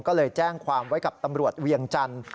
ก็เลยแจ้งความไว้กับตำรวจเวียงจันทร์